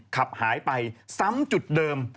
ขับหายไปซ้ำจุดเดิม